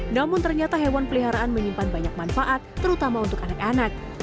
namun ternyata hewan peliharaan menyimpan banyak manfaat terutama untuk anak anak